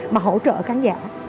mà hỗ trợ khán giả